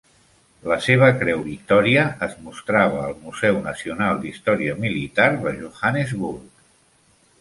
La seva Creu Victòria es mostrava al Museu Nacional d'Història Militar de Johannesburg.